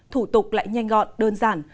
thủ tục lại nhanh gọn đơn giản